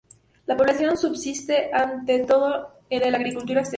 La población subsiste ante todo de la agricultura extensiva.